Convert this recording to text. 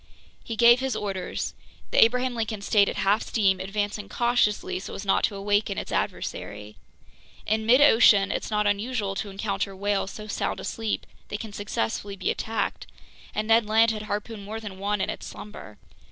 He gave his orders. The Abraham Lincoln stayed at half steam, advancing cautiously so as not to awaken its adversary. In midocean it's not unusual to encounter whales so sound asleep they can successfully be attacked, and Ned Land had harpooned more than one in its slumber.